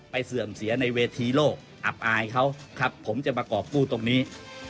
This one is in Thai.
เสื่อมเสียในเวทีโลกอับอายเขาครับผมจะมากรอบกู้ตรงนี้